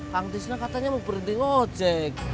kang tisna katanya mau berhenti ojek